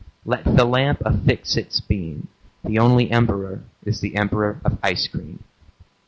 Let the lamp affix its beam. The only emperor is the emperor of ice cream.